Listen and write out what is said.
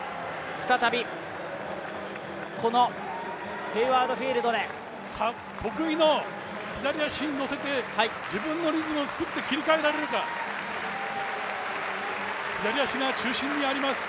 再びこのヘイワード・フィールドで得意の左足に乗せて、自分のリズムを作って切り替えられるか左足が中心にあります。